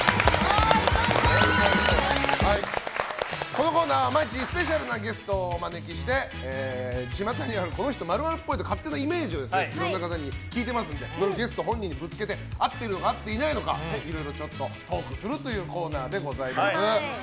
このコーナーは毎日スペシャルなゲストをお招きしてちまたにあるこの人○○っぽいという勝手なイメージをいろいろな方に聞いていますのでゲスト本人にぶつけて合っているのか合っていないのかいろいろとトークするコーナーでございます。